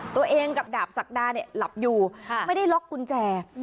ตัวเองกับดาบศักดาเนี่ยหลับอยู่ไม่ได้ล็อกกุญแจ